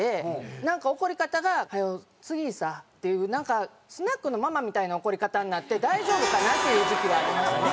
なんか怒り方が「早う注ぎいさ」っていうなんかスナックのママみたいな怒り方になって大丈夫かな？っていう時期はありましたね。